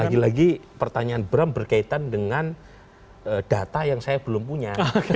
lagi lagi pertanyaan bram berkaitan dengan data yang saya belum punya